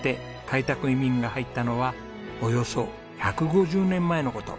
移民が入ったのはおよそ１５０年前の事。